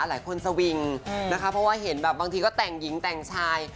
สวิงนะคะเพราะว่าเห็นแบบบางทีก็แต่งหญิงแต่งชาย